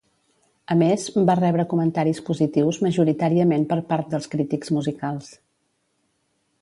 A més, va rebre comentaris positius majoritàriament per part dels crítics musicals.